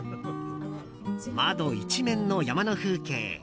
窓一面の山の風景。